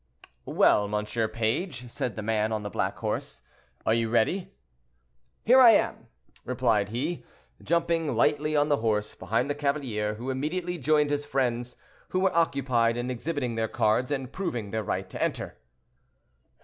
"Well, monsieur page," said the man on the black horse, "are you ready?" "Here I am," replied he, jumping lightly on the horse, behind the cavalier, who immediately joined his friends who were occupied in exhibiting their cards and proving their right to enter.